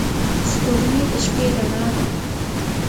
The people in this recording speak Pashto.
• سپوږمۍ د شپې رڼا ده.